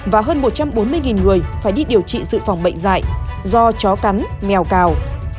và hơn một trăm bốn mươi người phải đi điều trị dự phòng bệnh dạy do chó cắn mèo cào